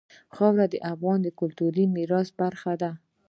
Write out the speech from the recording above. خاوره د افغانستان د کلتوري میراث برخه ده.